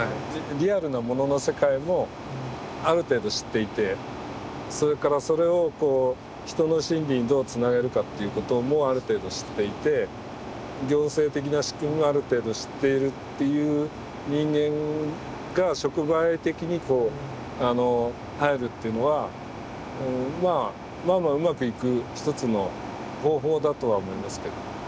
リアルなものの世界もある程度知っていてそれからそれをこう人の心理にどうつなげるかっていうこともある程度知っていて行政的な仕組みもある程度知っているっていう人間が触媒的にこう入るっていうのはまあまあまあうまくいく一つの方法だとは思いますけども。